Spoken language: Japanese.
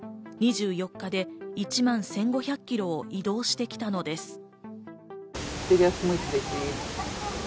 ２４日で１万１５００キロを移動してきたのです。